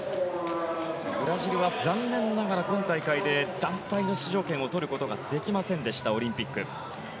ブラジルは残念ながら今大会で団体の出場権をとることができませんでしたオリンピック。